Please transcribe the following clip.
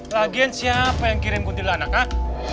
lagian siapa yang kirim kuntilanak hah